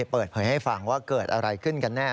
เปิดเผยให้ฟังว่าเกิดอะไรขึ้นกันแน่